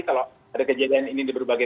kalau ada kejadian ini di berbagai